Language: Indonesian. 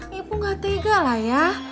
gak tega lah ya